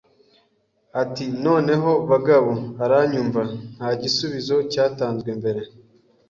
Ati: “Noneho bagabo, uranyumva?” Nta gisubizo cyatanzwe mbere.